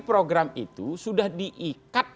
program itu sudah diikat